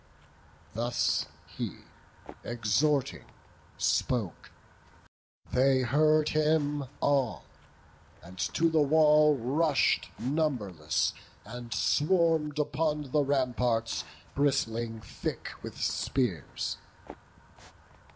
Thus he, exhorting, spoke; they heard him all, And to the wall rush'd numberless, and swarm'd Upon the ramparts, bristling thick with spears.